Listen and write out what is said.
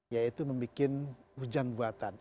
yaitu membuat hujan buatan